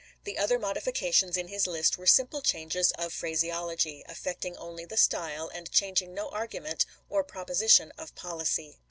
The other modifications in his list were simple changes of phraseology — affecting only the style, and changing no argument or proposi tion of policy.